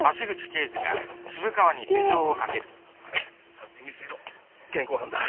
殺人未遂の現行犯だ。